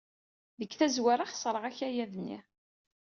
Deg tazwara, xeṣreɣ akayad-nni.